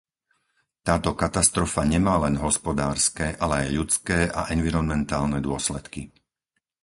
Táto katastrofa nemá len hospodárske, ale aj ľudské a environmentálne dôsledky.